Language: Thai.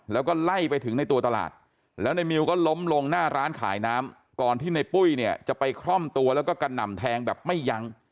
แล้วก็ไล่ไปถึงในตัวตลาดแล้วในมิวก็ล้มลงหน้าร้านขายน้ำก่อนที่ในปุ้ยเนี่ยจะไปคล่อมตัวแล้วก็กระหน่ำแทงแบบไม่ยั้ง